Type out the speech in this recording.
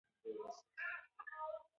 مول وهلی سړی په بېړه راغی.